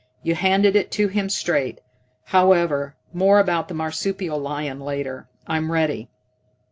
"You handed it to him straight. However, more about the marsupial lion later. I'm ready."